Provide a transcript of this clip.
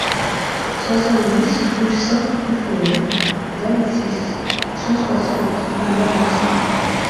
soixante-dix rue Sainte-Euphémie, vingt-six, cent soixante à Manas